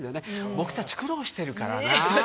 僕たち苦労してるからな。